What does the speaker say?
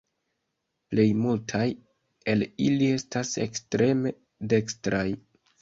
Plej multaj el ili estas ekstreme dekstraj.